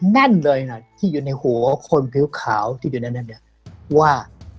นั้นเลยที่อยู่ในหัวคนผิวขาวที่อยู่ในนั้น